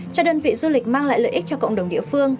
cho đơn vị du lịch mang lại lợi ích cho cộng đồng địa phương